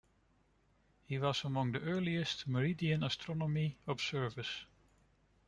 He was among the earliest meridian-astronomy observers.